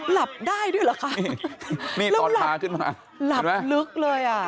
หลับได้ด้วยเหรอคะนี่ตอนพาขึ้นมาหลับลึกเลยอ่ะ